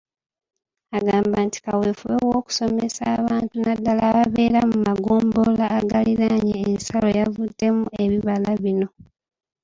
Agamba nti kaweefube w'okusomesa abantu naddala ababeera mu magombolola agaliraanye ensalo y'avuddemu ebibala bino.